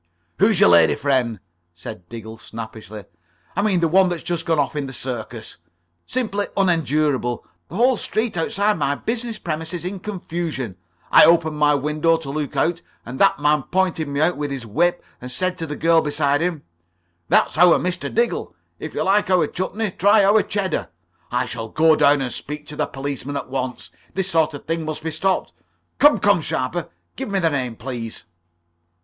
"Who's your lady friend?" said Diggle, snappishly. "I mean the one that's just gone off in the circus. Simply unendurable. The whole street outside my business premises in confusion. I opened my window to look out, and that man pointed me out with his whip and said to the girl beside him: 'That's our Mr. Diggle. If you like our chutney, try our cheddar.' I shall go down and speak to the policeman at once. This [Pg 37]sort of thing must be stopped. Come, come, Sharper, give me the name, please."